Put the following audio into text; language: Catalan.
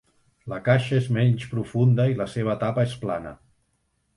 La caixa és menys profunda i la seva tapa és plana.